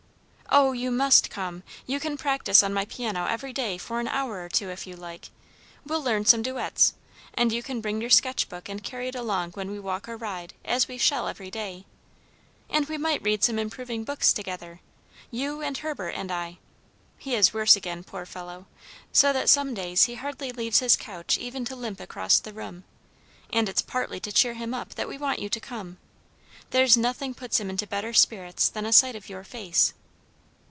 "Oh, you must come. You can practise on my piano every day for an hour or two, if you like. We'll learn some duets. And you can bring your sketch book and carry it along when we walk or ride, as we shall every day. And we might read some improving books together, you and Herbert, and I. He is worse again, poor fellow! so that some days he hardly leaves his couch even to limp across the room, and it's partly to cheer him up that we want you to come. There's nothing puts him into better spirits than a sight of your face."